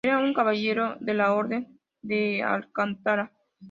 Era un caballero de la Orden de Alcántara.